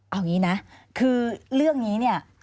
เอาอย่างนี้นะคือเรื่องนี้เนี่ย